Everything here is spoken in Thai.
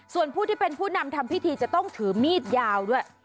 ส่วนผู้ที่เป็นผู้นำทำพิธีจะต้องถือมีดยาวด้วย